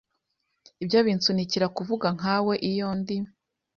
Ibyo binsunikira kuvuga nkawe iyo ndi